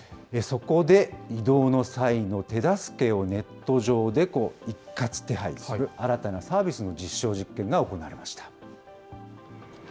そこで、移動の際の手助けをネット上で一括手配する新たなサービスの実証実験が行われました。